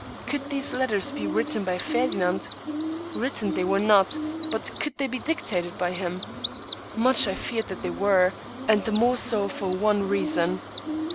Could these letters be written by Ferdinand? Written they were not, but could they be dictated by him? Much I feared that they were; and the more so for one reason.